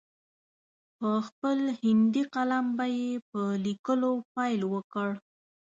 په خپل هندي قلم به یې په لیکلو پیل وکړ.